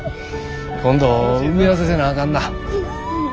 今度埋め合わせせなあかんな。